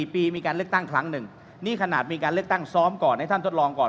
๔ปีมีการเลือกตั้งครั้งหนึ่งนี่ขนาดมีการเลือกตั้งซ้อมก่อนให้ท่านทดลองก่อน